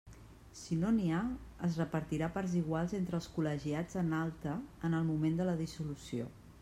Si no n'hi ha, es repartirà a parts iguals entre els col·legiats en alta en el moment de la dissolució.